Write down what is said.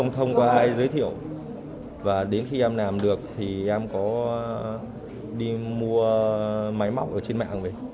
nếu làm được thì em có đi mua máy mọc ở trên mạng vậy